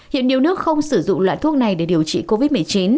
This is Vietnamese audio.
hiện nhiều nước không sử dụng loại thuốc này để điều trị covid một mươi chín